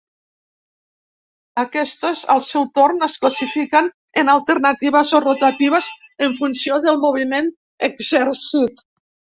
Aquestes al seu torn es classifiquen en alternatives o rotatives en funció del moviment exercit.